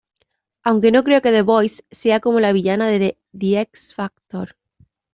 Aunque, no creo que The Voice sea como la villana de The X Factor".